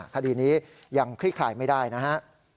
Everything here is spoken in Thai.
คดีนี้ยังคลี่คลายไม่ได้นะฮะ